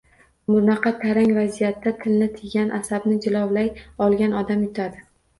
Bunaqa tarang vaziyatda tilni tiygan, asabini jilovlay olgan odam yutadi.